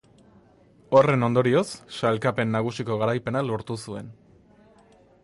Horren ondorioz, sailkapen nagusiko garaipena lortu zuen.